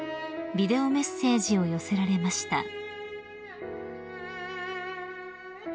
［ビデオメッセージを寄せられました］